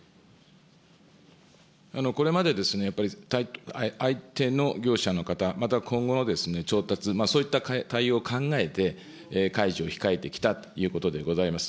これまでやっぱり、相手の業者の方、また今後の調達、そういった対応を考えて、開示を控えてきたということでございます。